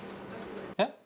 えっ？